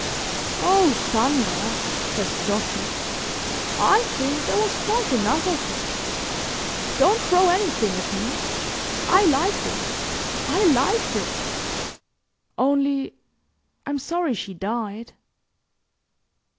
"Oh, thunder," said the Doctor. "I think there was quite enough of it. Don't throw anything at me I liked it I liked it! Only I'm sorry she died."